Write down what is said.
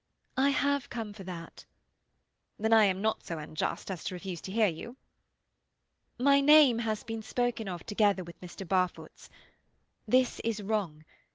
"I have come for that." "Then I am not so unjust as to refuse to hear you." "My name has been spoken of together with Mr. Barfoot's. This is wrong.